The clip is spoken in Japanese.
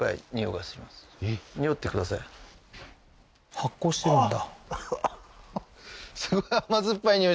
発酵してるんだ